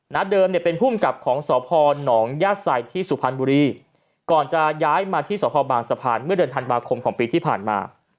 ณเดิมเป็นผู้มีกลับของสภหนองยาสัยที่สุพรรณบุรีก่อนจะย้ายมาที่สภบางสะพานเมื่อเดือนทันบาคมของปีที่ผ่านมา